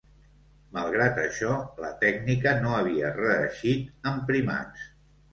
Malgrat això, la tècnica no havia reeixit en primats.